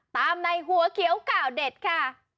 ในหัวเขียวข่าวเด็ดค่ะ